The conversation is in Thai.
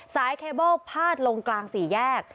สายเคเบิลพาดลงกลาง๔แยก